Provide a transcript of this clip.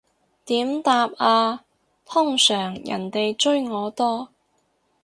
點答啊，通常人哋追我多